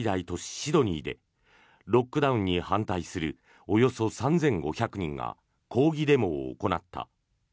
シドニーでロックダウンに反対するおよそ３５００人が抗議デモを行った。